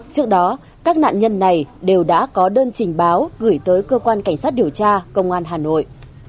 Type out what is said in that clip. trước đó các nạn nhân này đều đã có đơn trình báo gửi tới cơ quan cảnh sát điều tra công an hà nội